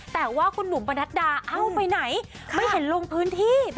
แต่ว่าคุณบุ๋มประนัดดาเอ้าไปไหนไม่เห็นลงพื้นที่